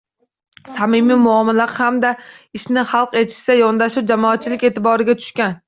Samimiy muomala hamda ishni hal etishga yondashuv jamoatchilik eʼtiboriga tushgan.